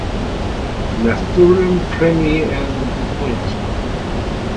Nathuram Premi and Pt.